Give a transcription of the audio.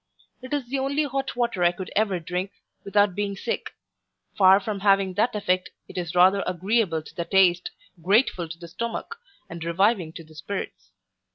It is the only hot water I could ever drink, without being sick Far from having that effect, it is rather agreeable to the taste, grateful to the stomach, and reviving to the spirits.